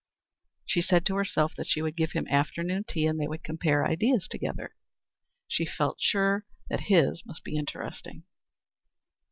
She said to herself that she would give him afternoon tea and they would compare ideas together. She felt sure that his must be interesting.